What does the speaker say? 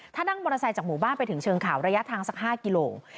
ถ้านั่งมอเตอร์ไซค์จากหมู่บ้านไปถึงเชิงเขาระยะทางสัก๕กิโล